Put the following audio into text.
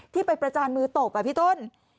ที่ไปประจานมือตบพี่ต้น